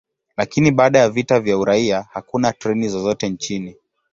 Lakini baada ya vita vya uraia, hakuna treni zozote nchini.